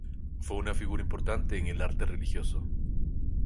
Fue una figura importante en el arte religioso.